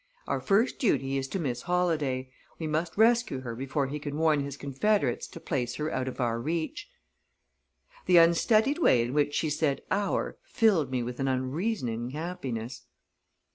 Our first duty is to Miss Holladay; we must rescue her before he can warn his confederates to place her out of our reach." The unstudied way in which she said "our" filled me with an unreasoning happiness.